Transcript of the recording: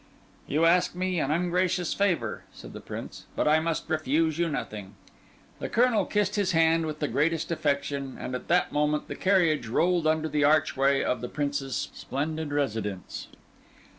"You ask me an ungracious favour," said the Prince, "but I must refuse you nothing." The Colonel kissed his hand with the greatest affection; and at that moment the carriage rolled under the archway of the Prince's splendid residence.